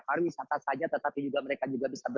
pariwisata saja tetapi juga mereka juga bisa